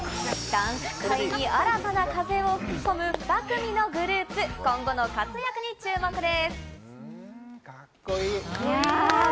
ダンス界に新たな風を吹き込む２組のグループ、今後の活躍に注目です。